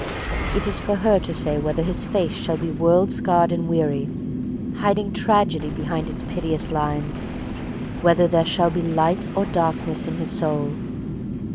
It is for her to say whether his face shall be world scarred and weary, hiding tragedy behind its piteous lines; whether there shall be light or darkness in his soul.